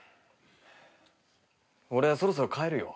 俺そろそろ帰るよ。